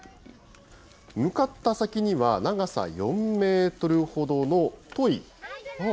向かった先には、長さ４メートルほどの、とい。